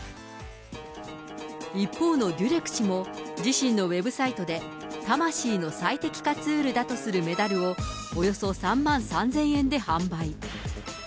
一方のデュレク氏も、自身のウェブサイトで魂の最適化ツールだとするメダルを、およそ３万３０００円で販売。